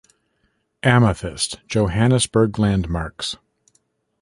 Amethyst: Johannesburg Landmarks.